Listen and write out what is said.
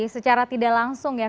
secara tidak langsung